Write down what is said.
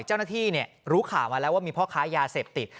เจ้าหน้าที่รู้ข่าวมาแล้วว่ามีพ่อค้ายาเสพติด